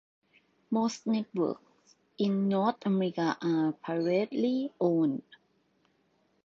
Most networks in North America are privately owned.